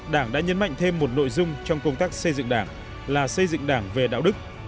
đảng đã nhấn mạnh thêm một nội dung trong công tác xây dựng đảng là xây dựng đảng về đạo đức